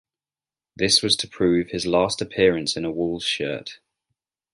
This was to prove his last appearance in a Wolves shirt.